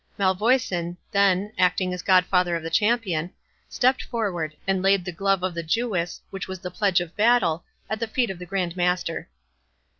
Malvoisin, then, acting as godfather of the champion, stepped forward, and laid the glove of the Jewess, which was the pledge of battle, at the feet of the Grand Master.